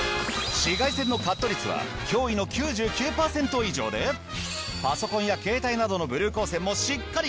紫外線のカット率は驚異の９９パーセント以上でパソコンや携帯などのブルー光線もしっかりカット！